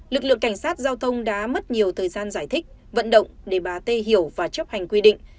lực lượng cảnh sát giao thông đã mất nhiều thời gian giải thích vận động để bà tê hiểu và chấp hành quy định